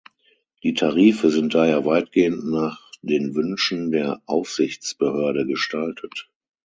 Die Tarife sind daher weitgehend nach den Wünschen der Aufsichtsbehörde gestaltet.